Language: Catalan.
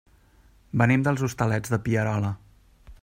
Venim dels Hostalets de Pierola.